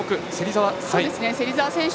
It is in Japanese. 芹澤選手